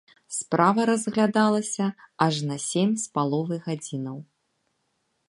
Справа разглядалася ажно сем з паловай гадзінаў.